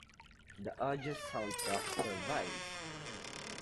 The audio soundtrack survives.